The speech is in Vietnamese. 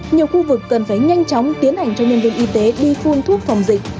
nhiều khu vực cần phải nhanh chóng tiến hành cho nhân viên y tế đi phun thuốc phòng dịch